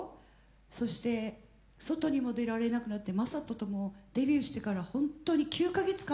そして外にも出られなくなって正人ともデビューしてから本当に９か月間会えなかったの。